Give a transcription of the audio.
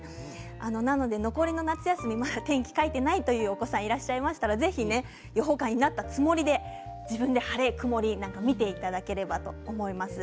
なので残りの夏休みまだ天気を書いていないというお子さんいらっしゃいましたらぜひ予報官になったつもりで自分で晴れ曇りを見ていただければと思います。